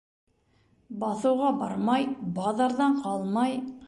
Баҫыуға бармай, баҙарҙан ҡалмай.